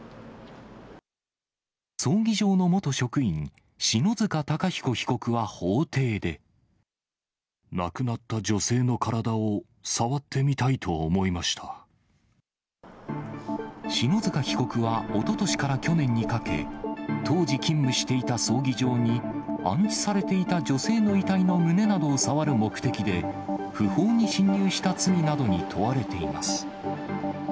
葬儀場の元職員、亡くなった女性の体を触って篠塚被告はおととしから去年にかけ、当時勤務していた葬儀場に安置されていた女性の遺体の胸などを触る目的で、不法に侵入した罪などに問われています。